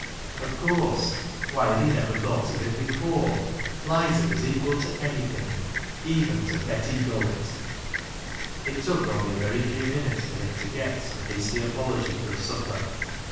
Of course ! Why had he never thought of it before ? Lizer was equal to anj'thing — equal to anything — even to Betty Gullett. It took only a very few minutes for him to get some hasty apology for a supper.